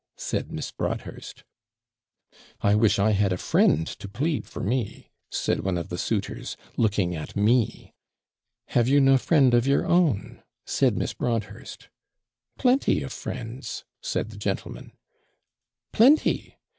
said Miss Broadhurst. '"I wish I had a friend to plead for me!" said one of the suitors, looking at me. '"Have you no friend of your own?" said Miss Broadhurst. '"Plenty of friends," said the gentleman. '"Plenty!